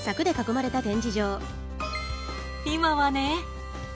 今はね。